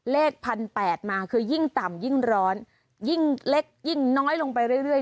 ๑๘๐๐มาคือยิ่งต่ำยิ่งร้อนยิ่งเล็กยิ่งน้อยลงไปเรื่อย